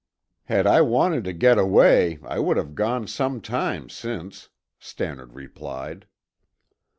"Had I wanted to get away, I would have gone some time since," Stannard replied.